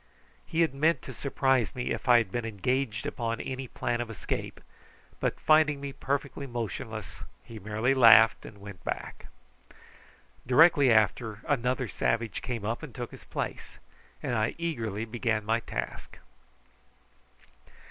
He had meant to surprise me if I had been engaged upon any plan of escape, but finding me perfectly motionless he merely laughed and went back. Directly after, another savage came up and took his place, and I eagerly began my task.